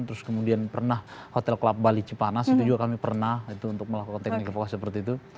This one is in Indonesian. terus kemudian pernah hotel club bali cipanas itu juga kami pernah itu untuk melakukan teknik evakuasi seperti itu